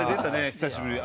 久しぶりに。